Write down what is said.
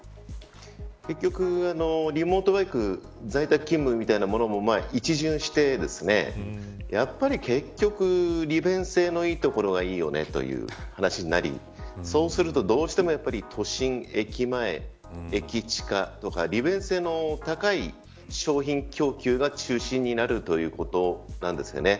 結局、リモートワーク在宅勤務みたいなものを一巡してやっぱり結局、利便性のいい所がいいよね、という話になりそうするとどうしても都心、駅前駅近とか利便性の高い商品供給が中心になるということなんですよね。